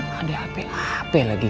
jangan ada hape hape lagi